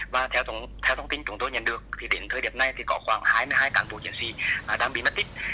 và theo thông tin chúng tôi nhận được thì đến thời điểm này thì có khoảng hai mươi hai cán bộ chiến sĩ đang bị mất tích